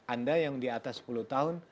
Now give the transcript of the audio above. anda yang di atas sepuluh tahun